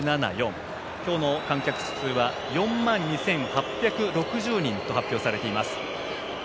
今日の観客数は４万２８６０人と発表されています。